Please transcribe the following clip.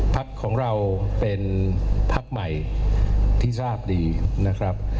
พักของเราเป็นพักใหม่ที่ทราบดีนะครับ